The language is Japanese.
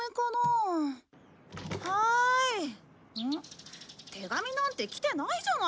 手紙なんてきてないじゃないか！